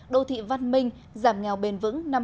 đô thị văn minh giảm nghèo bền vững năm hai nghìn một mươi chín